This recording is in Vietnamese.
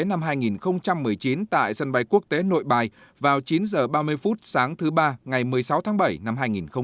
năm hai nghìn một mươi chín tại sân bay quốc tế nội bài vào chín h ba mươi phút sáng thứ ba ngày một mươi sáu tháng bảy năm hai nghìn hai mươi